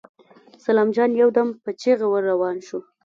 سلام جان يودم په چيغه ور روان شو.